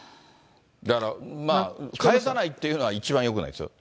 だから、返さないっていうのは一番よくないですよ。